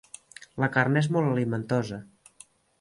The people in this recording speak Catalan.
La carn és molt alimentosa.